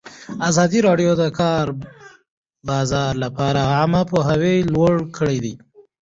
ازادي راډیو د د کار بازار لپاره عامه پوهاوي لوړ کړی.